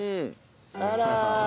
あら！